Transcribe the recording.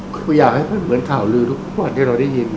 คืออยากให้มันเหมือนข่าวลือทุกวันที่เราได้ยิน